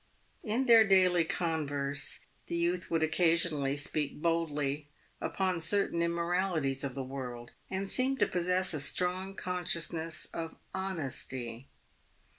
In their daily converse, the youth would occasionally speak boldly upon certain immoralities of the world, and seemed to possess a strong consciousness of honesty.